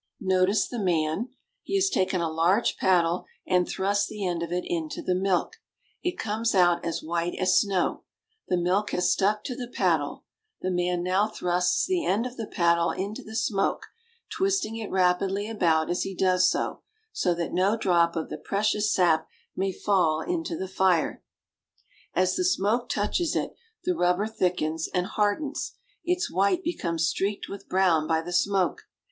Notice the man. He has taken a long paddle and thrust the end of it into the milk. It comes out as white as snow. The milk has stuck to the paddle. The man now thrusts the end of the paddle into the smoke, twisting it rapidly about as he does so, so that no drop of the precious sap may fall into the fire. Rubber Gatherers. As the smoke touches it the rubber thickens and har dens ; its white becomes streaked with brown by the smoke.